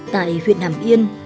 tại huyện hàm yên